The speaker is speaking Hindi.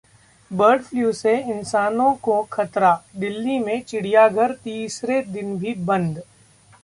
बर्ड फ्लू से इंसानों को खतरा, दिल्ली में चिड़ियाघर तीसरे दिन भी बंद